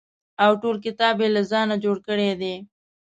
او ټول کتاب یې له ځانه جوړ کړی دی.